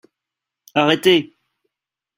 Arrêtez !